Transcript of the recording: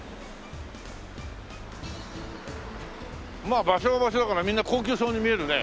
まあ場所が場所だからみんな高級そうに見えるね。